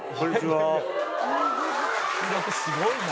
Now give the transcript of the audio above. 「すごいな」